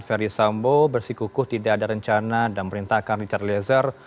ferry sambo bersikukuh tidak ada rencana dan perintahkan richard lezer